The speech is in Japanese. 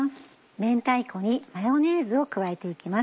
明太子にマヨネーズを加えて行きます。